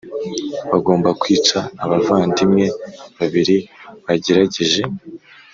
bagomba kwicwa Abavandimwe babiri bagerageje